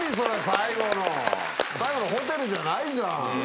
最後のホテルじゃないじゃん。